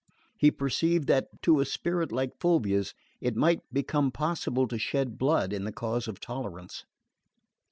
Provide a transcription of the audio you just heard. He perceived that to a spirit like Fulvia's it might become possible to shed blood in the cause of tolerance.